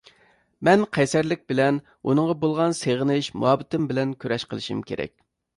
مەن قەيسەرلىك بىلەن ئۇنىڭغا بولغان سېغىنىش، مۇھەببىتىم بىلەن كۈرەش قىلىشىم كېرەك.